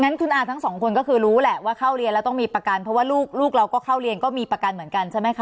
งั้นคุณอาทั้งสองคนก็คือรู้แหละว่าเข้าเรียนแล้วต้องมีประกันเพราะว่าลูกเราก็เข้าเรียนก็มีประกันเหมือนกันใช่ไหมคะ